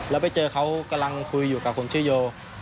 แล้วไปเจอเขากำลังคุยอยู่กับคนชื่อโย